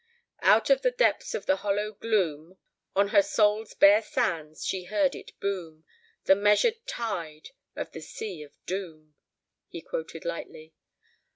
"'Out of the depths of the hollow gloom, On her soul's bare sands she heard it boom, The measured tide of the sea of doom,'" he quoted lightly.